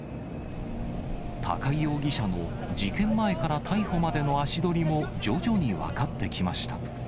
高井容疑者の事件前から逮捕までの足取りも、徐々に分かってきました。